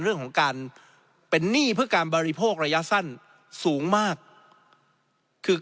เรื่องของการเป็นหนี้เพื่อการบริโภคระยะสั้นสูงมากคือ